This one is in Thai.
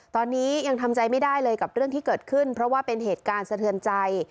ตอนนี้ยังทำใจไม่ได้เลยกับเรื่องที่เกิดขึ้นเพราะว่าเป็นเหตุการณ์สะเทือนใจ